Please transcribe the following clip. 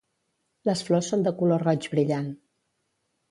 Les flors són de color roig brillant.